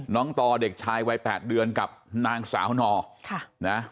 น้องต่อเด็กชายวัย๘เดือนกับนางสาวนอ